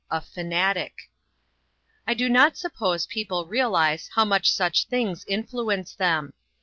A "FANATIC." I DO not suppose people realize how much such things influence them.